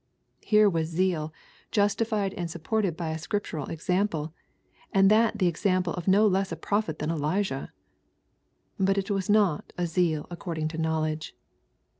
Here was zeal, justified and supported by a scriptural example, and that the example of no less a prophet than Elijah 1 But it was not a zeal according to knowledge.